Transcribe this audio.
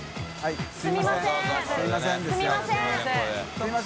水卜）すみません！